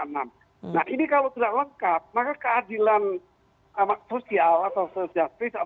nah ini kalau tidak lengkap maka keadilan sosial atau social